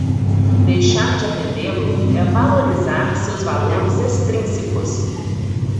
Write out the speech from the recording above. Deixar de atendê-lo é valorizar seus valores extrínsecos